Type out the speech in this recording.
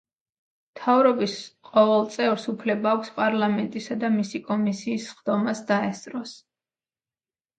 მთავრობის ყოველ წევრს უფლება აქვს პარლამენტისა და მისი კომისიის სხდომას დაესწროს.